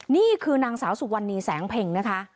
นี่คือนางสาวสุวรรณีแสงเพ็งนะคะ